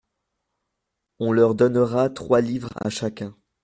On leur donnera trois livres à chacun.